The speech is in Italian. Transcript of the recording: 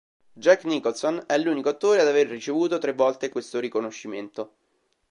Jack Nicholson è l'unico attore ad aver ricevuto tre volte questo riconoscimento.